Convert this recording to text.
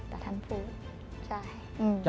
แต่ท่านพูดใช่